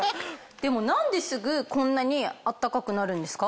でも何ですぐこんなにあったかくなるんですか？